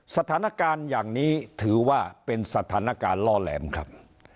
สถานการณ์อย่างนี้ถือว่าเป็นสถานการณ์ล่อแหลมครับ